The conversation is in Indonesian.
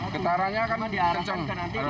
getarannya akan dikencang